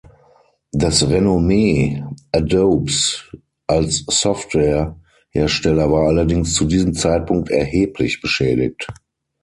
Das Renommee Adobes als Softwarehersteller war allerdings zu diesem Zeitpunkt erheblich beschädigt.